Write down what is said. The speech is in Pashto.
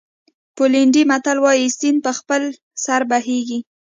پولنډي متل وایي سیند په خپل سر بهېږي.